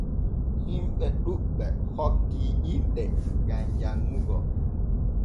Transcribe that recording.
Himɓe ɗuɓɓe hokki inɗe gam janŋugo.